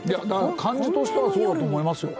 感じとしてはそうだと思いますよ。